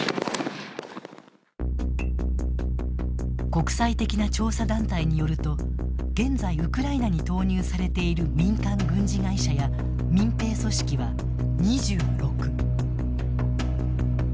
国際的な調査団体によると現在ウクライナに投入されている民間軍事会社や民兵組織は２６。